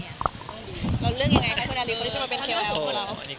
เราเลือกอยู่ไงจริง